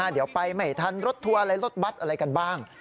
เดี๋ยวไปไม่ทันรถทัวร์อะไรรถบัตรอะไรกันบ้าง